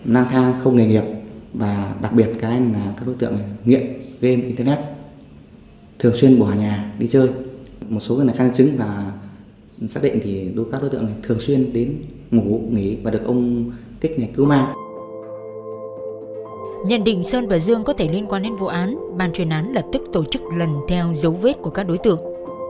nhân định sơn và dương có thể liên quan đến vụ án bàn truyền án lập tức tổ chức lần theo dấu vết của các đối tượng